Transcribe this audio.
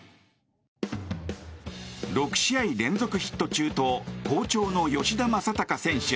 ６試合連続ヒット中と好調の吉田正尚選手。